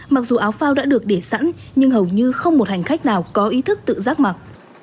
mặc dù áo phao đã được để sẵn nhưng hầu như không một hành khách nào có ý thức tự giác mặc